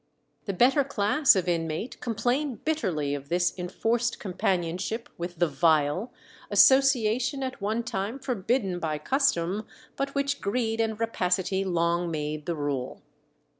The better class of inmate complained bitterly of this enforced companionship with the vile, association at one time forbidden by custom, but which greed and rapacity long made the rule.